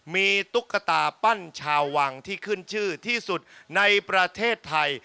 มีตุ๊กตาปั้นชาววังที่ขึ้นชื่อที่สุดในประเทศไทย